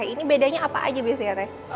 ini bedanya apa aja biasanya ya teh